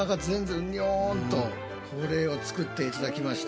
これを作って頂きました。